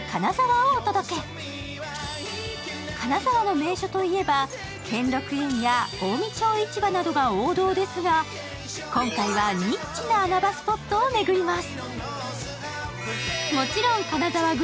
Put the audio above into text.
金沢の名所といえば兼六園や近江町市場などが王道ですが、今回はニッチな穴場スポットを巡ります。